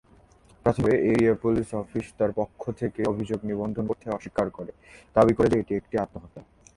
প্রাথমিকভাবে, area police office তার পক্ষ থেকে অভিযোগ নিবন্ধন করতে অস্বীকার করে, দাবি করে যে এটি একটি আত্মহত্যা।